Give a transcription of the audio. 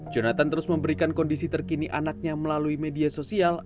jonathan terus memberikan kondisi terkini anaknya melalui media sosial